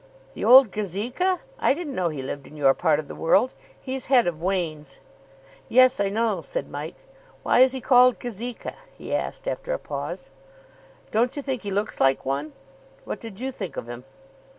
"The old Gazeka? I didn't know he lived in your part of the world. He's head of Wain's." "Yes, I know," said Mike. "Why is he called Gazeka?" he asked after a pause. "Don't you think he looks like one? What did you think of him?"